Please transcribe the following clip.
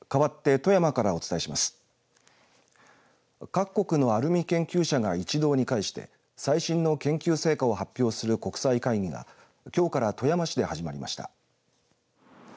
各国のアルミ研究者が一堂に会して最新の研究成果を発表する国際会議が、きょうから富山市で始まりました。